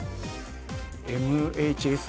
「ＭＨＳ」？